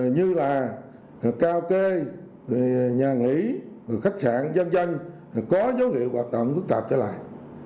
như là cao kê nhà nghỉ khách sạn dân doanh có dấu hiệu hoạt động phức tạp cho lại